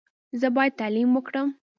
زه باید تعلیم وکړم.